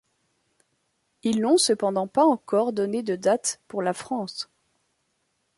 Ils n'ont cependant pas encore donné de dates pour la France.